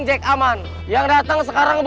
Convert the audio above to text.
makasih mudah percaya dia